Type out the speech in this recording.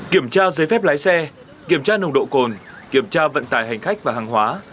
kiểm tra giấy phép lái xe kiểm tra nồng độ cồn kiểm tra vận tải hành khách và hàng hóa